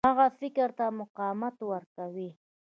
هغه فکر ته مقاومت ورکوي.